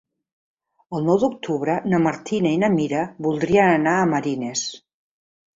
El nou d'octubre na Martina i na Mira voldrien anar a Marines.